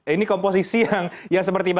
ini komposisi yang seperti